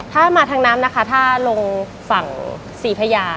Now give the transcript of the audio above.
ถ้ามาทางน้ำนะคะถ้าลงฝั่งศรีพญา